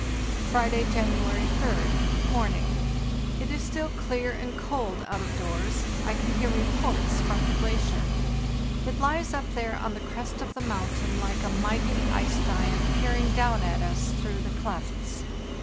"Friday, January 3d. Morning. It is still clear and cold out of doors; I can hear reports from the glacier. It hes up there on the crest of the mountain like a mighty ice giant peering down at us through the clefts.